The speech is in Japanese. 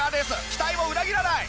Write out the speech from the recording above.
期待を裏切らない！